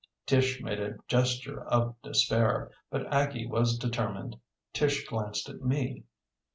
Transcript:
Tish made a gesture of despair, but Aggie was determined. Tish glanced at me.